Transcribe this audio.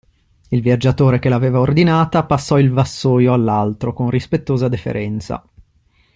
Il viaggiatore che l'aveva ordinata passò il vassoio all'altro con rispettosa deferenza.